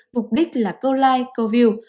mục đích là câu like câu view